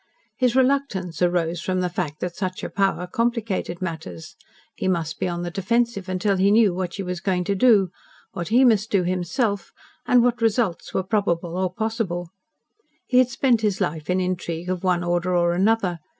His reluctance arose from the fact that such a power complicated matters. He must be on the defensive until he knew what she was going to do, what he must do himself, and what results were probable or possible. He had spent his life in intrigue of one order or another.